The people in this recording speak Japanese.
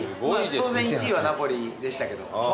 当然１位はナポリでしたけど。